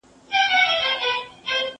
زه اجازه لرم چي ليکلي پاڼي ترتيب کړم،